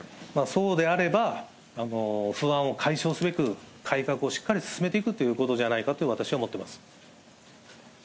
そのことについては、不安を解消すべく、改革をしっかり進めていくということじゃないかと私は思っています。